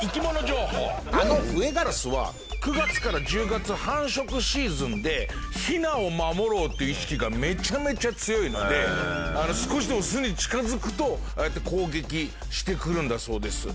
あのフエガラスは９月から１０月繁殖シーズンでヒナを守ろうという意識がめちゃめちゃ強いので少しでも巣に近付くとああやって攻撃してくるんだそうです。